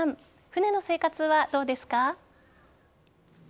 船の生活はどうですか？